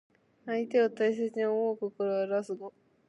相手を大切に思う心をあらわす語。